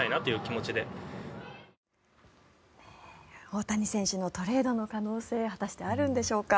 大谷選手のトレードの可能性果たしてあるんでしょうか。